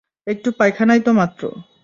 একটু পায়খানাই তো মাত্র।